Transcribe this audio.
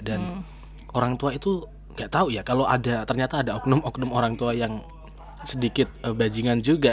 dan orang tua itu gak tahu ya kalau ada ternyata ada oknum oknum orang tua yang sedikit bajingan juga